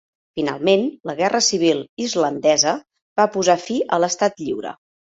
Finalment, la guerra civil islandesa va posar fi a l'estat lliure.